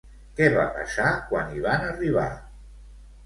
Què va passar quan hi van arribar?